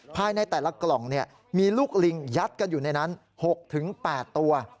ภายในแต่ละกล่องมีลูกลิงยัดกันอยู่ในนั้น๖๘ตัว